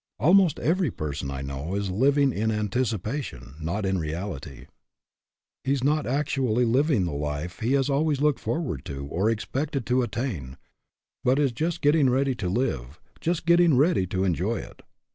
Al most every person I know is living in antici pation, not in reality. He is not actually living HAPPY? IF NOT, WHY NOT? 157 the life he has always looked forward to, or expected to attain; but is just getting ready to live, just getting ready to enjoy it.